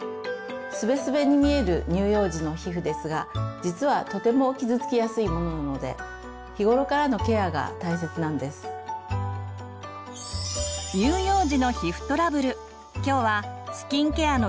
スベスベに見える乳幼児の皮膚ですが実はとても傷つきやすいものなので日頃からのケアが大切なんです。について。